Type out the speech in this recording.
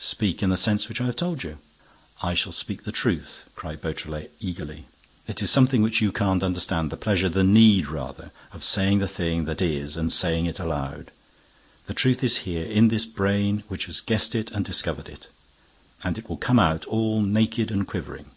"Speak in the sense which I have told you." "I shall speak the truth," cried Beautrelet, eagerly. "It is something which you can't understand, the pleasure, the need, rather, of saying the thing that is and saying it aloud. The truth is here, in this brain which has guessed it and discovered it; and it will come out, all naked and quivering.